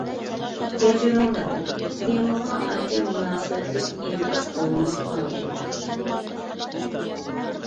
كەچۈرۈڭلار، تېمىغا ئانچە مۇناسىۋەتلىك ئىنكاس بولماي قالدى.